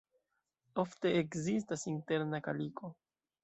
Ofte ekzistas interna kaliko.